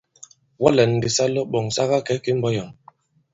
Wɔ lɛ̌n ndī sa lɔ ɓɔ̀ŋ sa kakɛ̌ kì i mbɔ̄k yǎŋ.